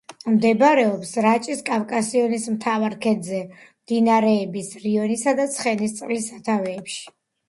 მდებარეობს რაჭის კავკასიონის მთავარ ქედზე, მდინარეების რიონისა და ცხენისწყლის სათავეებში.